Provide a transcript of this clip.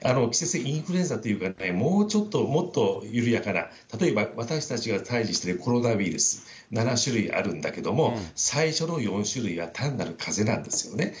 季節性インフルエンザというか、もうちょっと、もっと緩やかな、例えば私たちが対じしてるコロナウイルス、７種類あるんだけども、最初の４種類は単なるかぜなんですよね。